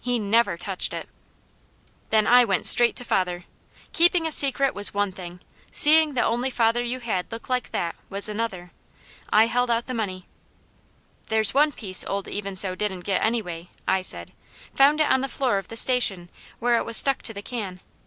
He never touched it!" Then I went straight to father. Keeping a secret was one thing; seeing the only father you had look like that, was another. I held out the money. "There's one piece old Even So didn't get, anyway," I said. "Found it on the floor of the Station, where it was stuck to the can.